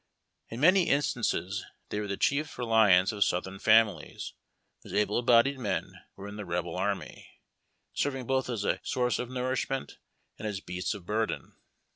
Tn many instances they were the chief reliance of Soutliern families, whose able bodied men were in the Rebel army, servinff both as a source of nourishment and as beasts of burden.